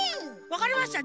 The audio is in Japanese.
わかりました。